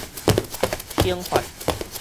懲罰